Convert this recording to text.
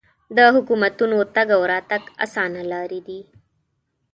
د حکومتونو تګ او راتګ اسانه لارې دي.